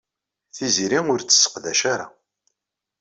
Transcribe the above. Tiziri ur t-tesseqdac ara.